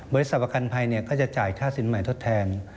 บริษัทประกันภัยเนี่ยก็จะจ่ายค่าสินใหม่ทดแทน